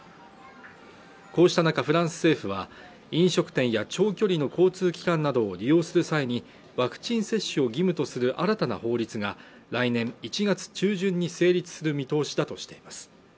こうした中フランス政府は飲食店や長距離の交通機関などを利用する際にワクチン接種を義務とする新たな法律が来年１月中旬に成立する見通しだとしています